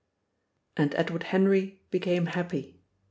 And Edward Henry became happy.